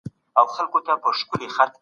کور زده کړه له فشار څخه ازاده ده.